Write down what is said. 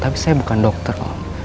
tapi saya bukan dokter om